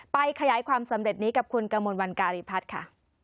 ขยายความสำเร็จนี้กับคุณกมลวันการีพัฒน์ค่ะ